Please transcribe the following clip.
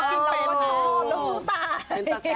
ก็กินต้องกระชอบแล้วสู้ตาย